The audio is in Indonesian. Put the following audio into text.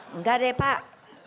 enggak deh pak